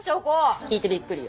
聞いてびっくりよ。